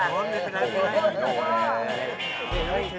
โอ้ยไม่เป็นไร